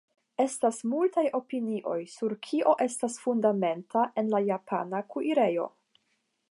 Estas multaj opinioj sur kio estas fundamenta en la japana kuirejo.